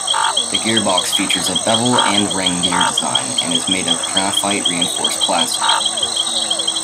The gearbox features a bevel-and-ring gear design, and is made of graphite-reinforced plastic.